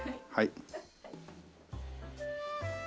はい。